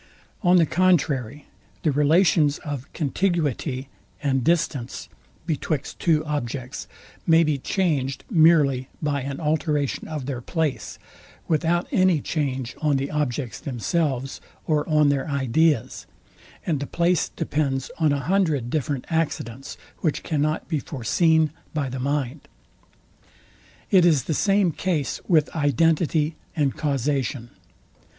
On the contrary, the relations of contiguity and distance betwixt two objects may be changed merely by an alteration of their place, without any change on the objects themselves or on their ideas; and the place depends on a hundred different accidents, which cannot be foreseen by the mind. It is the same case with identity and causation.